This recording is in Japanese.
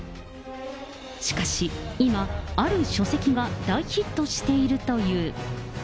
しかし、今、ある書籍が大ヒットしているという。